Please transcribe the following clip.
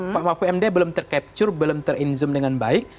pak pak pmd belum tercapture belum terinzum dengan baik